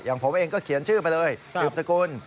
ผมเองก็เขียนชื่อไปเลยสืบสกุล